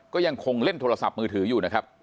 ก็ยังคงเล่นโทรศัพท์มือถืออยู่นะครับ